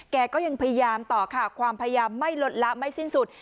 แกก็ยังพยายามต่อค่ะความพยายามไม่ลดละไม่สิ้นสุด